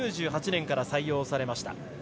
９８年から採用されました。